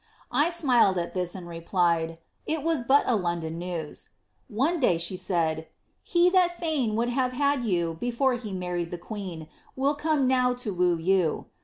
* I smiled at that, and replied, * It was but a London news.' One day she said, *JJe that fain woald have had you before he married the queen will come now to woo you.'